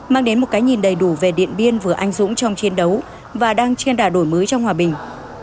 mang đến một cái nhìn đầy đủ về điện biên vừa anh dũng trong chiến đấu và đang trên đà đổi mới trong hòa bình